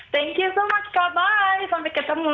thank you so much kak bye sampai ketemu